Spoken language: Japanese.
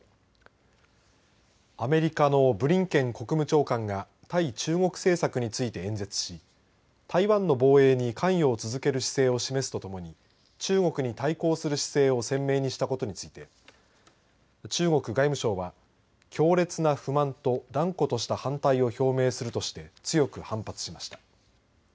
アメリカのブリンケン国務長官が対中国政策について演説し台湾の防衛に関与を続ける姿勢を示すとともに中国に対抗する姿勢を鮮明にしたことについて中国外務省は強烈な不満と断固とした反対を表明するとして強く反発しました。